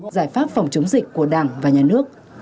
giải pháp phòng chống dịch của đảng và nhà nước